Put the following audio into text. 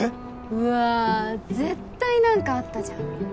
うわ絶対何かあったじゃん